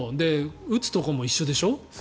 撃つところも一緒でしょ。